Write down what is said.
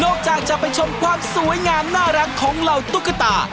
จากจะไปชมความสวยงามน่ารักของเหล่าตุ๊กตา